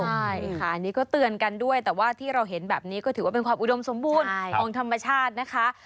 ใช่ค่ะอันนี้ก็เตือนกันด้วยแต่ว่าที่เราเห็นแบบนี้ก็ถือว่าเป็นความอุดมสมบูรณ์ของธรรมชาตินะคะ